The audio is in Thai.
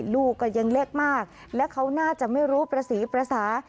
ลูกก็ยังเล็กมากและเขาน่าจะไม่รู้ประสีประสา